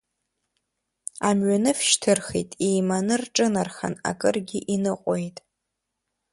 Амҩаныф шьҭырхит, иеиманы рҿынархан, акыргьы иныҟәеит.